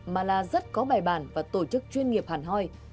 mà là rất có bài bản và tổ chức chuyên nghiệp hàn hoi